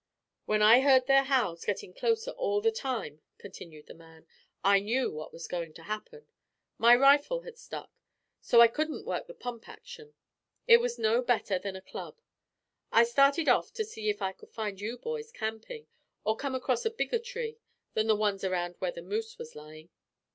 "When I heard their howls getting closer all the time," continued the man, "I knew what was going to happen. My rifle had stuck, so I couldn't work the pump action. It was no better than a club. I started off to see if I could find you boys camping, or come across a bigger tree than the ones around where the moose was lying."